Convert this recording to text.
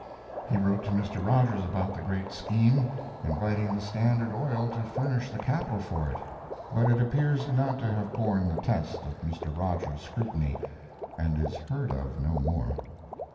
He wrote to Mr. Rogers about the great scheme, inviting the Standard Oil to furnish the capital for it but it appears not to have borne the test of Mr. Rogers's scrutiny, and is heard of no more.